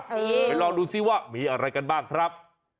ไปลองดูซิว่ามีอะไรกันบ้างครับ